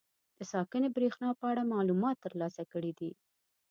د ساکنې برېښنا په اړه معلومات تر لاسه کړي دي.